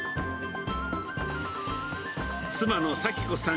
妻の早紀子さん